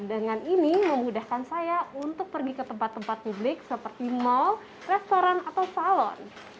dengan ini memudahkan saya untuk pergi ke tempat tempat publik seperti mall restoran atau salon